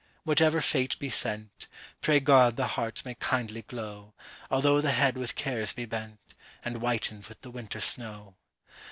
whatever fate be sent, Pray God the heart may kindly glow, Although the head with cares be bent, And whitened with the winter snow.